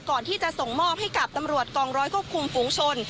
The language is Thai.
ก่อนที่จะส่งมอบให้กับตำรวจกองร้อยควบคุมฝูงชน